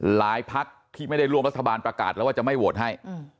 พักที่ไม่ได้ร่วมรัฐบาลประกาศแล้วว่าจะไม่โหวตให้